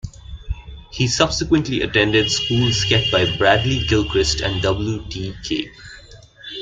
He subsequently attended schools kept by Bradley Gilchrist and W. T. Cape.